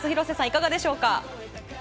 いかがでしょうか。